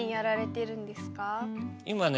今ね。